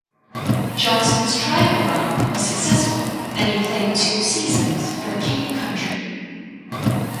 Johnson's trial run was successful and he played two seasons for King Country.